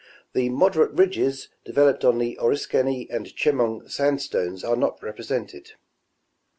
The moderate ridges developed on the Oriskany and Chemung sandstones are not represented.